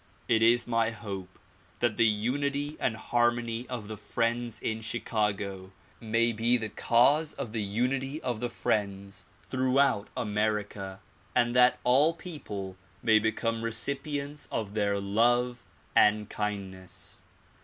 It is my hope that the unity and harmony of the friends in Chicago may be the cause of the unity of the friends throughout 90 THE PROMULGATION OF UNIVERSAL PEACE America and that all people may become recipients of their love and kindness.